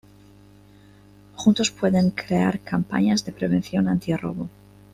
Juntos pueden crear campañas de prevención anti-robo.